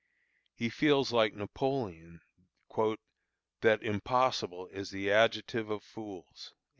He feels like Napoleon, "that impossible is the adjective of fools."